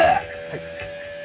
はい。